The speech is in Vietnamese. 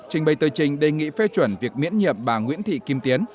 trình bày tờ trình đề nghị phê chuẩn việc miễn nhiệm bà nguyễn thị kim tiến